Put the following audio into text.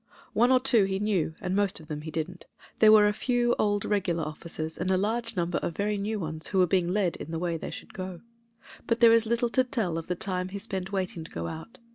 One or two he knew, and most of them he didn't. There were a few old regular officers and a large nimiber of very new ones — who were being led in the way they should go. But there is little to tell of the time he spent waiting to go out.